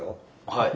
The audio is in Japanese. はい。